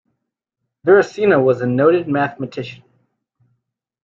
Virasena was a noted mathematician.